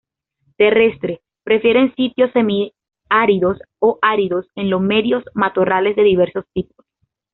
Terrestre, prefiere sitios semiáridos o áridos en lomeríos, matorrales de diversos tipos.